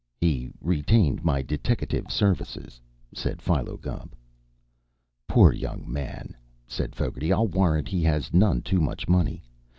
"He retained my deteckative services," said Philo Gubb. "Poor young man!" said Fogarty. "I'll warrant he has none too much money.